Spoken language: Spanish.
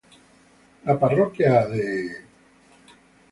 La Parroquia de Ntra.